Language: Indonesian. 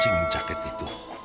kecing jaket itu